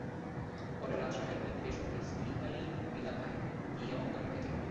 পরে রাত সাড়ে আটটার দিকে শহরের সুইহারী এলাকায় গিয়ে অজ্ঞান হয়ে যায়।